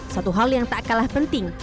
satu hal yang tak kalah penting